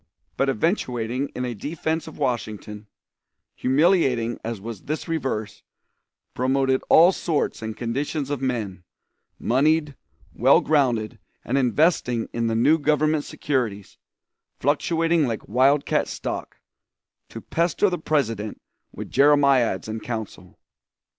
"] but eventuating in a defense of Washington, humiliating as was this reverse, promoted all sorts and conditions of men, moneyed, well grounded, and investing in the new government securities, fluctuating like wildcat stock, to pester the President with Jeremiads and counsel.